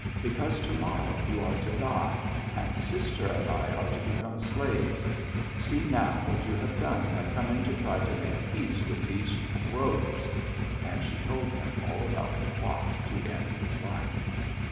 "'Because to morrow you are to die, and sister and I are to become slaves. See now what you have done by coming to try to make peace with these Crows!' And she told him all about the plot to end his life.